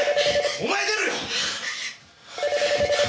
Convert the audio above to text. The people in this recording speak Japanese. お前出ろよ！